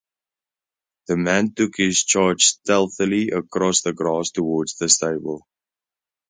The man took his charge stealthily across the grass towards the stable.